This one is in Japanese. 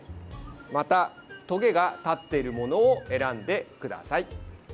また、とげが立っているものを選んでください。